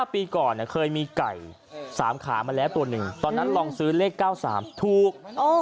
ปีก่อนเคยมีไก่๓ขามาแล้วตัวหนึ่งตอนนั้นลองซื้อเลข๙๓ถูก